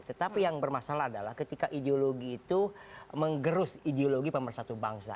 tetapi yang bermasalah adalah ketika ideologi itu menggerus ideologi pemersatu bangsa